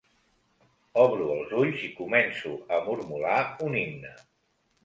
Obro els ulls i començo a mormolar un himne.